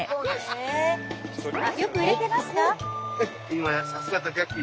よく売れてますか？